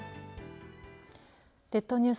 列島ニュース